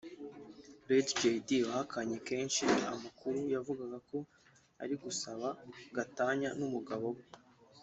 Lady Jaydee wahakanye kenshi amakuru yavugaga ko ari gusaba gatanya n’umugabo we